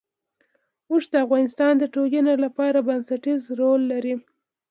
اوښ د افغانستان د ټولنې لپاره بنسټيز رول لري.